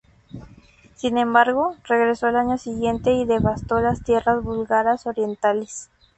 Sin embargo, regresó al año siguiente y devastó las tierras búlgaras orientales.